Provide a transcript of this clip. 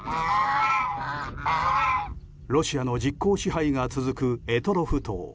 ロシアの実効支配が続く択捉島。